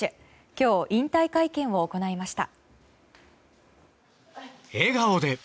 今日、引退会見を行いました。